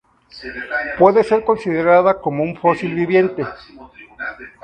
Puede ser considerada como un fósil viviente.